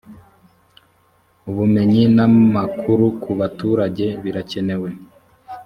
ubumenyi n amakuru ku baturage birakenewe